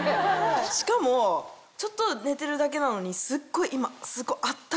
しかもちょっと寝てるだけなのにすっごい今。